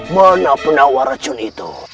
mana penawar racun itu